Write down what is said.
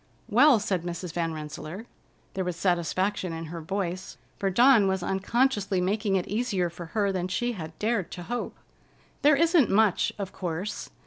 "Well," said Mrs. Van Rensselaer—there was satisfaction in her voice, for Dawn was unconsciously making it easier for her than she had dared to hope—"there isn't much, of course.